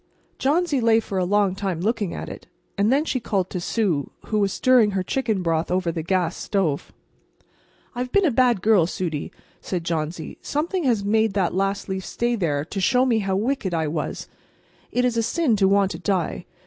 Johnsy lay for a long time looking at it. And then she called to Sue, who was stirring her chicken broth over the gas stove. "I've been a bad girl, Sudie," said Johnsy. "Something has made that last leaf stay there to show me how wicked I was. It is a sin to want to die.